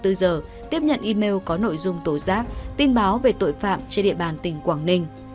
công an tỉnh quảng ninh có email có nội dung tố giác tin báo về tội phạm trên địa bàn tỉnh quảng ninh